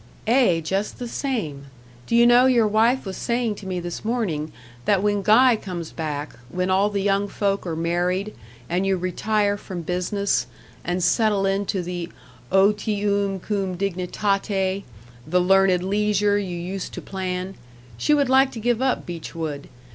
"Ay, just the same. Do you know your wife was saying to me this morning, that when Guy comes back, when all the young folk are married, and you retire from business and settle into the otium cum dignitate, the learned leisure you used to plan she would like to give up Beechwood.